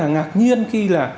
rất là ngạc nhiên khi là